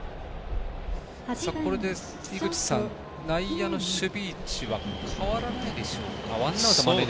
これで内野の守備位置は変わらないでしょうか。